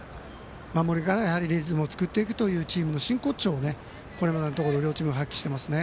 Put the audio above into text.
守りからリズムを作っていくというチームの真骨頂をこれまでのところ両チーム発揮していますね。